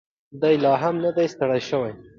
دی لا هم نه دی ستړی شوی.